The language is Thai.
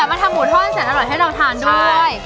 มาทำหมูทอดแสนอร่อยให้เราทานด้วย